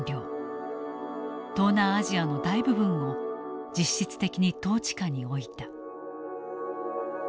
東南アジアの大部分を実質的に統治下に置いた。